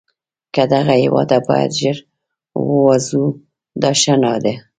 له دغه هیواده باید ژر ووزو، دا ښه نه ده.